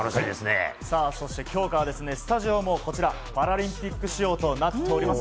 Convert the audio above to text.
そして今日からスタジオもパラリンピック仕様となっております。